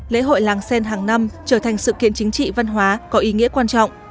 lễ hội làng sen hàng năm trở thành sự kiện chính trị văn hóa có ý nghĩa quan trọng